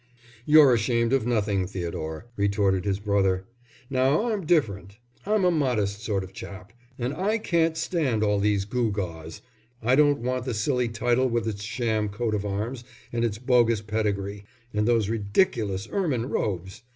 "You're ashamed of nothing, Theodore," retorted his brother. "Now, I'm different; I'm a modest sort of chap, and I can't stand all these gewgaws. I don't want the silly title with its sham coat of arms, and it's bogus pedigree. And those ridiculous ermine robes!